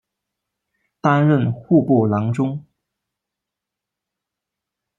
担任户部郎中。